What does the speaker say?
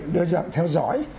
đưa dạng theo dõi